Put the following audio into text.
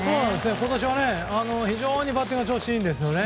今年は非常にバッティング調子いいんですよね。